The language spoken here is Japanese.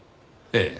ええ。